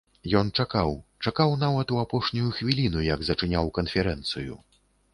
Ён чакаў, чакаў нават у апошнюю хвіліну, як зачыняў канферэнцыю.